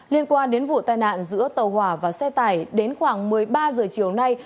liên quan đến vụ tai nạn giữa tàu hỏa và xe tải đến khoảng một mươi ba h chiều nay